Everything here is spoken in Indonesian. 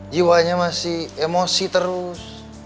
jiwanya masih emosi terus